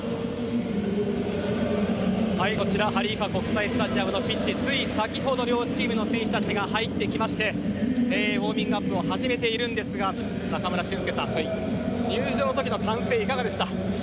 こちらハリーファ国際スタジアムのピッチつい先ほど、両チームの選手たちが入ってきましてウォーミングアップを始めているんですが中村俊輔さん、入場の時の歓声いかがでした？